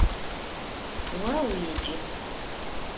Vo vuêce.